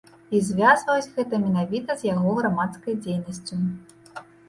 І звязваюць гэта менавіта з яго грамадскай дзейнасцю.